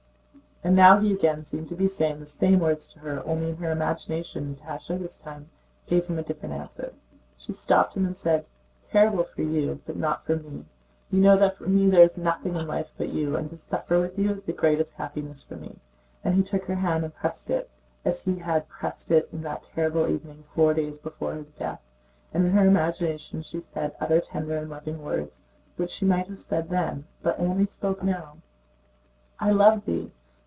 And now he again seemed to be saying the same words to her, only in her imagination Natásha this time gave him a different answer. She stopped him and said: "Terrible for you, but not for me! You know that for me there is nothing in life but you, and to suffer with you is the greatest happiness for me," and he took her hand and pressed it as he had pressed it that terrible evening four days before his death. And in her imagination she said other tender and loving words which she might have said then but only spoke now: "I love thee!...